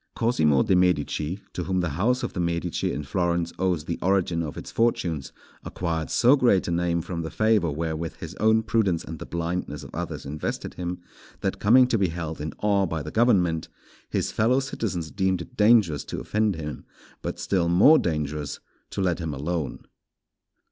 Cosimo de' Medici, to whom the house of the Medici in Florence owes the origin of its fortunes, acquired so great a name from the favour wherewith his own prudence and the blindness of others invested him, that coming to be held in awe by the government, his fellow citizens deemed it dangerous to offend him, but still more dangerous to let him alone.